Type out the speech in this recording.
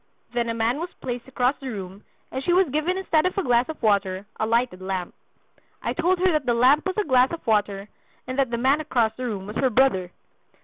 Then a man was placed across the room, and she was given instead of a glass of water a lighted lamp. I told her that the lamp was a glass of water, and that the man across the room was her brother.